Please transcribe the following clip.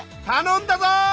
たのんだぞ！